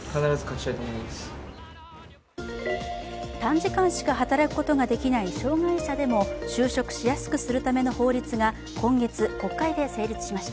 短時間しか働くことができない障害者でも就職しやすくするための法律が今月、国会で成立しました。